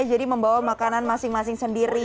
membawa makanan masing masing sendiri